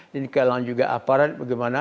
kalangan juga aparat bagaimana